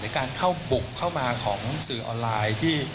หรือการเข้าบุกเข้ามาของสื่อออนไลน์